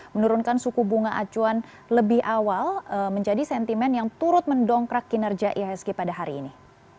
menurunkan suku bunga acuan lebih awal menjadi sentimen yang turut mendongkrak kinerja ihsg pada hari ini